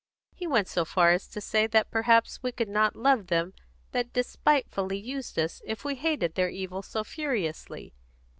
He went so far as to say that perhaps we could not love them that despitefully used us if we hated their evil so furiously.